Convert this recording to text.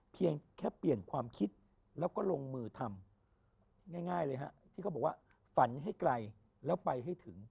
เพียงแค่เปลี่ยนความคิดแล้วก็ลงมือทำง่ายเลยฮะที่เขาบอกว่าฝันให้ไกลแล้วไปให้ถึง